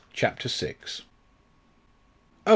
CHAPTER VI. "Oh!